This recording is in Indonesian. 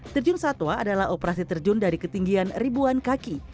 terjun satwa adalah operasi terjun dari ketinggian ribuan kaki